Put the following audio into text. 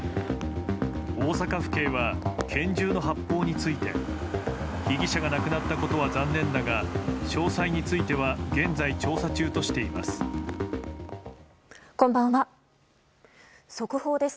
大阪府警は拳銃の発砲について被疑者が亡くなったことは残念だが詳細については現在調査中としています。